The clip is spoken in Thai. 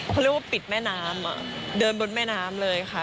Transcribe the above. เขาเรียกว่าปิดแม่น้ำเดินบนแม่น้ำเลยค่ะ